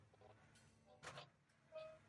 mbele yake katika mji mdogo wa Pennsylvania Marekani